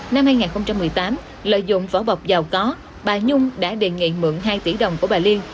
năm hai nghìn một mươi tám lợi dụng vỏ bọc giàu có bà nhung đã đề nghị mượn hai tỷ đồng của bà liên